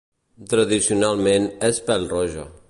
Tradicionalment, és pel-roja.